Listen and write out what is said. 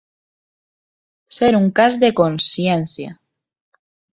Ser un cas de consciència.